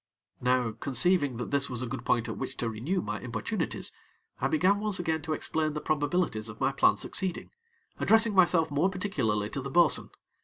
Now, conceiving that this was a good point at which to renew my importunities, I began once again to explain the probabilities of my plan succeeding, addressing myself more particularly to the bo'sun.